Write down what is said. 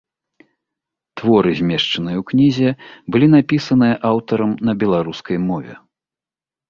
Творы, змешчаныя ў кнізе, былі напісаныя аўтарам на беларускай мове.